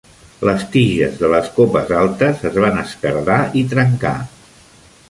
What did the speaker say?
Les tiges de les copes altes es van esquerdar i trencar.